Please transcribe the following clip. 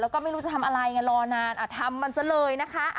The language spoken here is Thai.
แล้วก็ไม่รู้จะทำอะไรงั้นลอนานอ่ะทำมันเสียเลยนะคะ